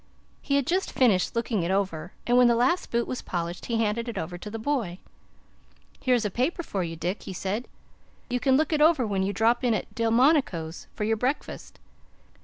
He had just finished looking it over, and when the last boot was polished, he handed it over to the boy. "Here's a paper for you, Dick," he said; "you can look it over when you drop in at Delmonico's for your breakfast.